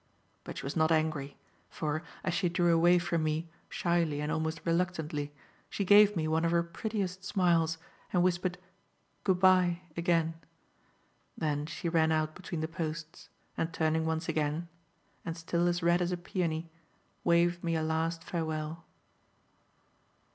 But she was not angry; for, as she drew away from me, shyly and almost reluctantly, she gave me one of her prettiest smiles and whispered "Good bye" again. Then she ran out between the posts, and, turning once again and still as red as a peony waved me a last farewell.